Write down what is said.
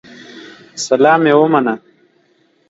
سلام مي ومنه